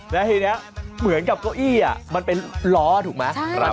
แล้วทีนี้เหมือนกับเก้าอี้มันเป็นล้อถูกไหม